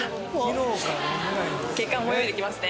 血管、泳いできますね。